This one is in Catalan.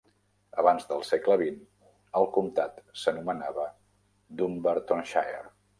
Abans del segle XX, el comtat s'anomenava Dumbartonshire.